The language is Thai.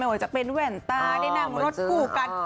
ว่าจะเป็นแว่นตาได้นั่งรถคู่กัน